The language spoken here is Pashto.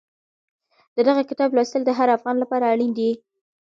د دغه کتاب لوستل د هر افغان لپاره اړین دي.